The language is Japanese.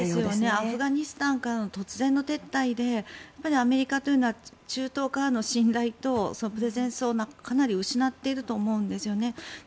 アフガニスタンからの突然の撤退でアメリカというのは中東からの信頼とプレゼンスをかなり失っていると思うんですよね。